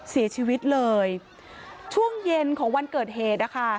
เสียชีวิตเลยช่วงเย็นของวันเกิดเหตุนะคะ